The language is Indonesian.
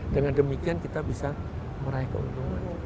dengan demikian kita bisa meraih keuntungan